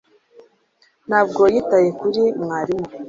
ntabwo yitaye kuri mwarimu